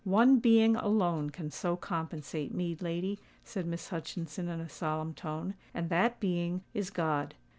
"One being alone can so compensate me, lady," said Miss Hutchinson in a solemn tone; "and that being is God!